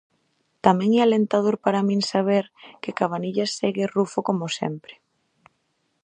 Tamén é alentador para min saber que Cabanillas segue rufo como sempre.